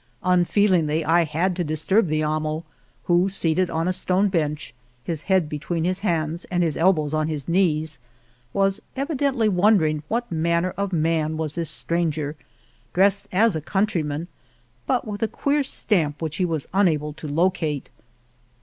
Unfeel ingly I had to disturb the amo, who, seated on a stone bench, his head between his hands and his elbows on his knees, was evidently i^A*4'::x wondering what manner of man was this stranger, dressed as a countryman, but with a queer stamp which he was unable to lo Argamasilla cate.